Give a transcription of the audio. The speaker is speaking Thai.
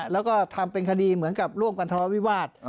แล้วก็ทำเป็นคดีเหมือนกับร่วมกันทะเลาวิวาส